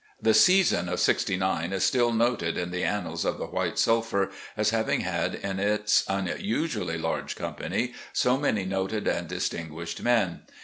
The season of '69 is still noted in the annals of the White Sulphur as having had in its unusually large company so many noted and distinguished men.